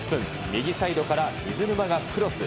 右サイドから水沼がクロス。